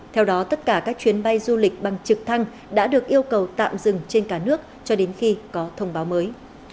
theo đó tất cả các chuyến bay du lịch bằng trực thăng đã được yêu cầu tạm dừng trên cả nước cho đến khi có thông báo mới